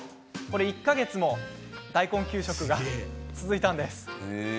１か月も大根給食が続いたんです。